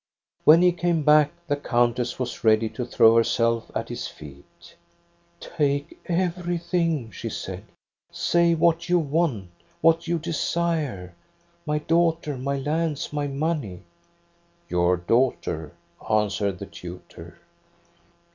" When he came back the countess was ready to throw herself at his feet. ' Take everything! ' she said. ' Say what you want, what you desire, — my daughter, my lands, my money !'"* Your daughter,' answered the tutor."